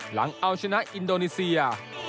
หลังเอาชนะอินโดนีเซีย